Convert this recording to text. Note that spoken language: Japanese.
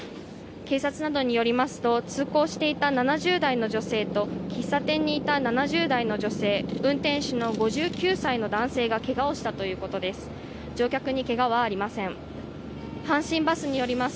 警察などによりますと通行していた７０代の女性と喫茶店にいた７０代の女性運転手の５９歳の男性がけがをしたということです。